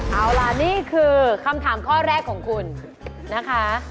เอาล่ะนี่คือคำถามข้อแรกของคุณนะคะ